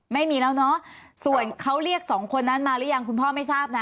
ไม่มีแล้วเนอะส่วนเขาเรียกสองคนนั้นมาหรือยังคุณพ่อไม่ทราบนะ